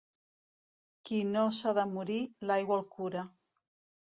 Qui no s'ha de morir, l'aigua el cura.